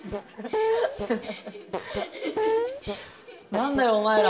何だよおまえら。